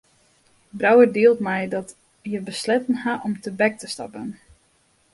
Brouwer dielt mei dat hja besletten hat om tebek te stappen.